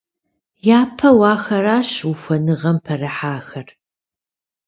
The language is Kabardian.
Япэу ахэращ ухуэныгъэм пэрыхьэхэр.